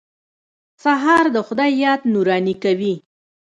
سهار د خدای یاد نوراني کوي.